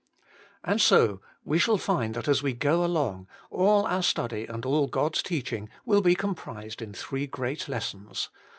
And so we shall find that as we go along, all our study and all God's teaching will be comprised in three great lessons.